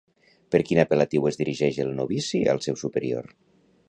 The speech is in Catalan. Per quin apel·latiu es dirigeix el novici al seu superior?